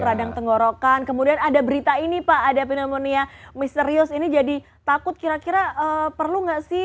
radang tenggorokan kemudian ada berita ini pak ada pneumonia misterius ini jadi takut kira kira perlu nggak sih